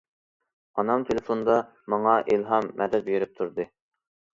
ئانام تېلېفوندا ماڭا ئىلھام، مەدەت بېرىپ تۇردى.